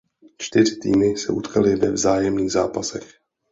Čtyři týmy se utkaly ve vzájemných zápasech.